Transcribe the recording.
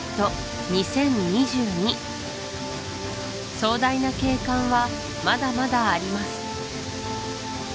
壮大な景観はまだまだあります